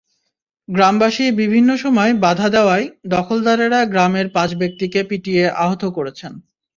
গ্রামবাসী বিভিন্ন সময় বাধা দেওয়ায় দখলদারেরা গ্রামের পাঁচ ব্যক্তিকে পিটিয়ে আহত করেছেন।